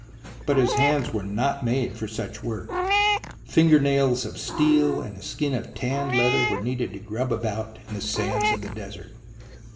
But his hands were not made for such work. Finger nails of steel and a skin of tanned leather were needed to grub about in the sands of the desert.